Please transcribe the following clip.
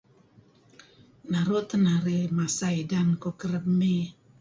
Naru teh narih masa idan keren mey.